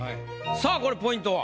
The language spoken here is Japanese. さあこれポイントは？